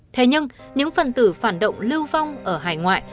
thế nhưng những phần tử phản động lưu vong ở hải ngoại